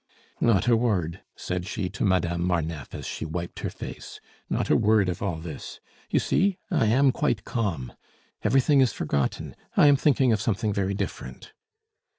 "Not a word," said she to Madame Marneffe as she wiped her face "not a word of all this. You see, I am quite calm; everything is forgotten. I am thinking of something very different."